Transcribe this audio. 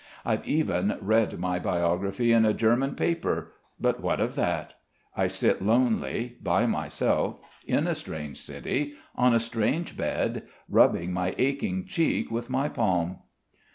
I've even read my biography in a German paper, but what of that? I sit lonely, by myself, in a strange city, on a strange bed, rubbing my aching cheek with my palm....